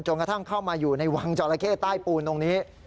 กระทั่งเข้ามาอยู่ในวังจราเข้ใต้ปูนตรงนี้